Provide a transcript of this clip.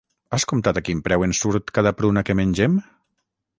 Has comptat a quin preu ens surt cada pruna que mengem?